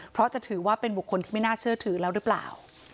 เพราะจะถือว่าเป็นบุคคลที่ไม่น่าเชื่อถือแล้วหรือเปล่า